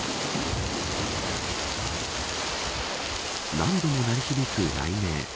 何度も鳴り響く雷鳴。